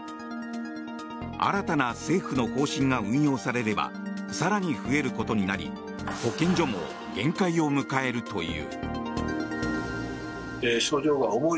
新たな政府の方針が運用されれば更に増えることになり保健所も限界を迎えるという。